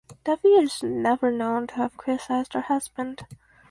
Devi is never known to have criticised her husband.